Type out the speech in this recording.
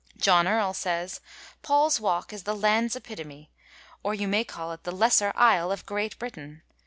John Earle says :' Paula Walke is the Lands Epitome, or you may call it the lesser He of Great Brittaine.